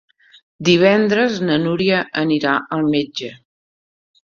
Divendres na Núria anirà al metge.